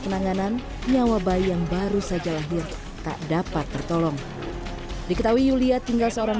penanganan nyawa bayi yang baru saja lahir tak dapat tertolong diketahui yulia tinggal seorang